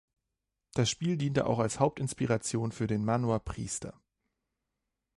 Das Spiel diente auch als Hauptinspiration für den Manhwa- „Priester".